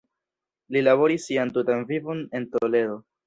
Li laboris sian tutan vivon en Toledo.